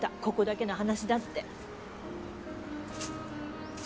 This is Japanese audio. ここだけの話だって。